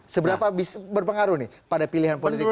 seberapa berpengaruh nih pada pilihan politik pak jokowi